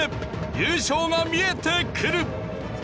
優勝が見えてくる。